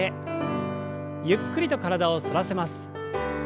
ゆっくりと体を反らせます。